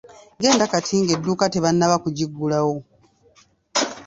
Genda kati ng'edduuka tebannaba kugiggulawo.